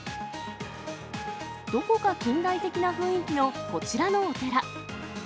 どこか近代的な雰囲気のこちらのお寺。